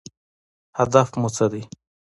هدف مو څه دی؟